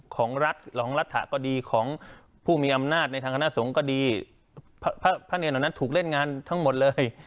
ของรัฐสองรัฐก็ดีของผู้มีอำนาจในทางคณะสงฆ์ก็ดีพระเนรเหล่านั้นถูกเล่นงานทั้งหมดเลย